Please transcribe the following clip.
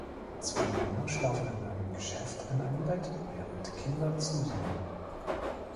Zwei Männer schlafen in einem Geschäft in einem Bett, während Kinder zusehen.